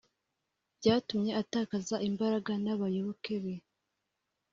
byatumye atakaza imbaraga n’abayoboke be